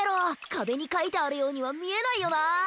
かべにかいてあるようにはみえないよな！